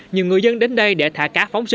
nhiều người dân đến đây để thả cá phóng sự